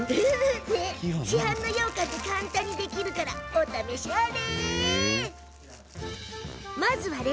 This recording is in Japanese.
市販のようかんって簡単にできるからお試しあれ。